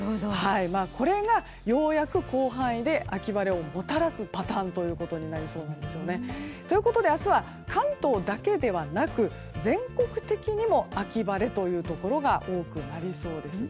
これがようやく広範囲で秋晴れをもたらすパターンとなりそうなんですよね。ということで明日は関東だけではなく全国的にも秋晴れというところが多くなりそうです。